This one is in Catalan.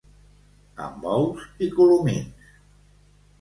Amb ous i colomins.